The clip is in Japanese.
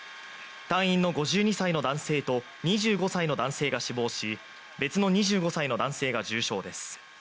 隊員の５２歳の男性と２５歳の男性が死亡し、別の２５歳の男性が重傷です。